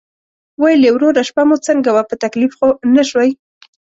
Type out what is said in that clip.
ویل یې: "وروره شپه مو څنګه وه، په تکلیف خو نه شوئ؟"